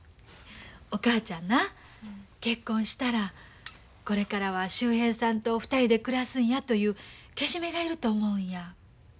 お母ちゃんな結婚したらこれからは秀平さんと２人で暮らすんやというけじめがいると思うんや。